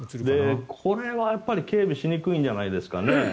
これは警備しにくいんじゃないんですかね。